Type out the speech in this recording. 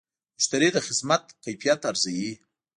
مشتری د خدمت کیفیت ارزوي.